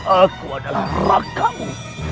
aku adalah rakamu